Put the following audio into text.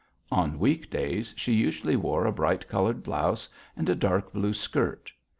On week days she usually wore a bright coloured blouse and a dark blue skirt.